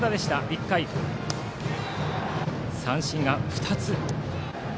１回、三振が２つ。